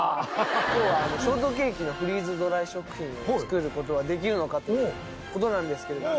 今日はショートケーキのフリーズドライ食品作ることはできるのかということなんですけれど。